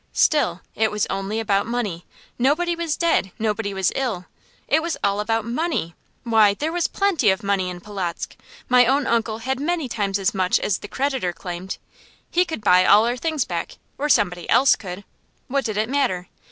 Still, it was only about money. Nobody was dead, nobody was ill. It was all about money. Why, there was plenty of money in Polotzk! My own uncle had many times as much as the creditor claimed. He could buy all our things back, or somebody else could. What did it matter?